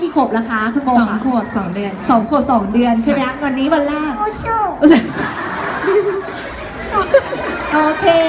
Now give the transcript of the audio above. กลับมาซีโช่